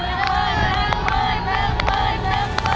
น้ำเบิด